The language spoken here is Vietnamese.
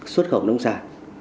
xuất khẩu nông sản